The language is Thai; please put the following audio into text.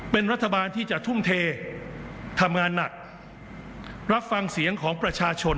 เป็นรัฐบาลที่จะทุ่มเททำงานหนักรับฟังเสียงของประชาชน